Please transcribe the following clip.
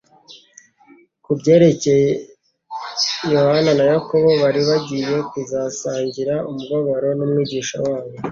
Ku byerekcye Yohana na Yakobo bari bagiye kuzasangira umubabaro n'Umwigisha wabo,